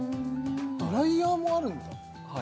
ドライヤーもあるんだは